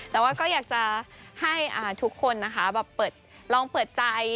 แต่ว่าก็อยากจะให้ทุกคนนะคะลองเปิดใจ